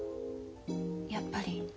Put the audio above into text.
やっぱり。